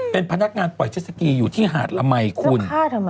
เป็นพนักงานปล่อยเจ็ดสกีอยู่ที่หาดละมัยคุณ